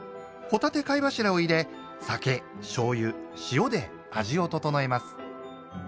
帆立て貝柱を入れ酒しょうゆ塩で味を調えます。